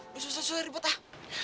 susah susah ribet ah